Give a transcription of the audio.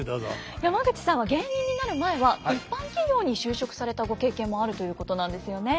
山口さんは芸人になる前は一般企業に就職されたご経験もあるということなんですよね。